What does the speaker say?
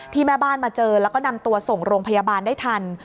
แม่บ้านมาเจอแล้วก็นำตัวส่งโรงพยาบาลได้ทัน